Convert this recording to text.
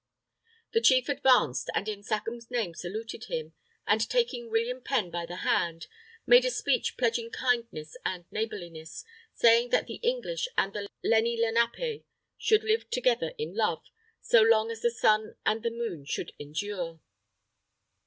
The Chief advanced, and in the Sachem's name saluted him, and taking William Penn by the hand, made a speech pledging kindness and neighbourliness, saying that the English and the Lenni Lenapé should live together in love, so long as the sun and the moon should endure.